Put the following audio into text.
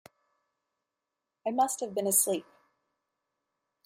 I must have been asleep.